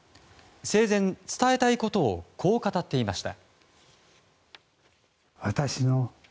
生前、伝えたいことをこう語っていました。